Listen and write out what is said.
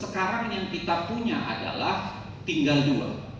sekarang yang kita punya adalah tinggal dua